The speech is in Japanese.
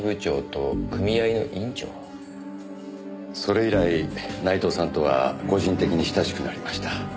それ以来内藤さんとは個人的に親しくなりました。